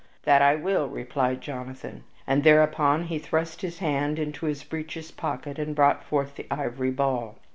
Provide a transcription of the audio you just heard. "That I will," replied Jonathan. And thereupon he thrust his hand into his breeches' pocket and brought forth the ivory ball.